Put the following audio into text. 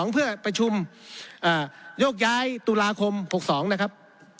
เพื่อประชุมโยกย้ายตุลาคม๖๒นะครับ